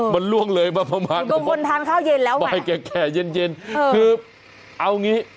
มันร่วงเลยประมาณแค่แค่เย็นคือเอาอย่างนี้